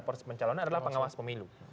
proses pencalonan adalah pengawas pemilu